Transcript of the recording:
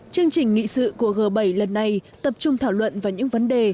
chương trình nghị sự của g bảy lần này tập trung thảo luận vào những vấn đề